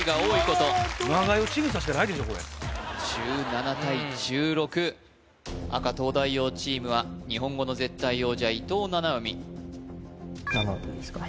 これ１７対１６赤東大王チームは日本語の絶対王者・伊藤七海７でいいですか？